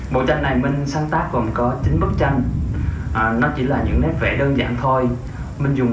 bộ tranh này minh sáng tác còn có chín bức tranh nó chỉ là những nét vẽ đơn giản thôi minh dùng